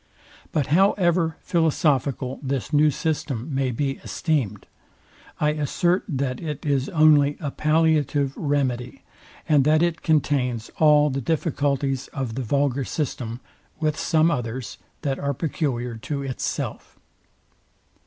But however philosophical this new system may be esteemed, I assert that it is only a palliative remedy, and that it contains all the difficulties of the vulgar system, with some others, that are peculiar to itself.